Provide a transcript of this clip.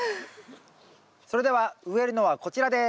それでは植えるのはこちらです。